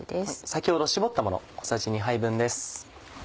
先ほど搾ったもの小さじ２杯分です。